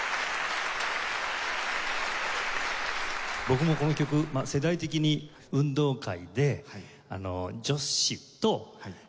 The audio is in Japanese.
僕もこの曲世代的に運動会で女子と手を公で組める。